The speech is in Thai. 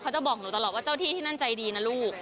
จะบอกหนูตลอดว่าเจ้าที่ที่นั่นใจดีนะลูก